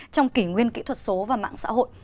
trong kỷ nguyên kỹ thuật số và mạng xã hội